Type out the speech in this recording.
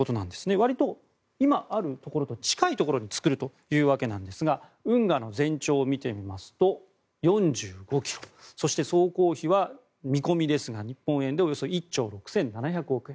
わりと今、あるところと近いところに作るわけなんですが運河の全長を見てみると４５ｋｍそして、総工費は見込みですが日本円でおよそ１兆６７００億円。